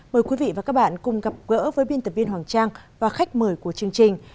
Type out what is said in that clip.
mời quý vị và các bạn cùng gặp gỡ với biên tập viên hoàng trang và khách mời của chương trình